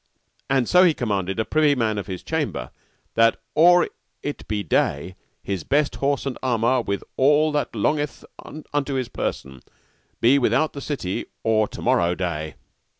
And so he commanded a privy man of his chamber that or it be day his best horse and armour, with all that longeth unto his person, be without the city or to morrow day.